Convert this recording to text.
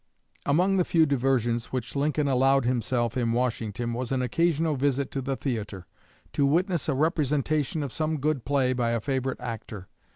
Among the few diversions which Lincoln allowed himself in Washington was an occasional visit to the theater to witness a representation of some good play by a favorite actor.